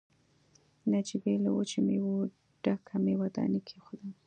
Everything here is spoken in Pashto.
نجيبې له وچو مېوو ډکه مېوه داني کېښوده.